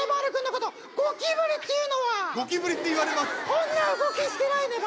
こんな動きしてないねば。